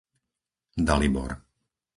Dalibor